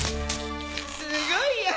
すごいや！